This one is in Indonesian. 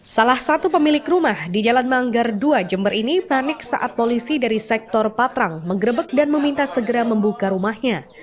salah satu pemilik rumah di jalan manggar dua jember ini panik saat polisi dari sektor patrang menggrebek dan meminta segera membuka rumahnya